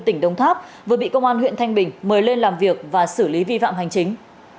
tỉnh đồng tháp vừa bị công an huyện thanh bình mời lên làm việc và xử lý vi phạm hành chính